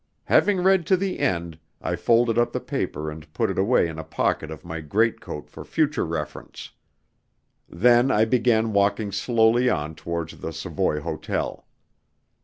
Having read to the end, I folded up the paper and put it away in a pocket of my greatcoat for future reference. Then I began walking slowly on towards the Savoy Hotel.